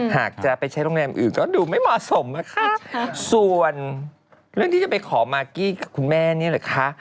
หากจะไปใช้โรงแรมอื่นก็ดูไม่เหมาะสมนะคะส่วนเรื่องที่จะไปขอมากกี้กับคุณแม่เนี่ยเหรอคะ